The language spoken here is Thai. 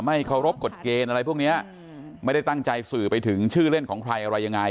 เคารพกฎเกณฑ์อะไรพวกเนี้ยไม่ได้ตั้งใจสื่อไปถึงชื่อเล่นของใครอะไรยังไง